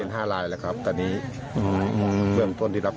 เป็น๕ลายแล้วครับตอนนี้